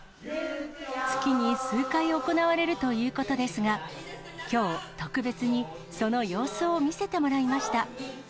月に数回行われるということですが、きょう、特別にその様子を見せてもらいました。